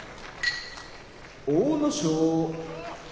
阿武咲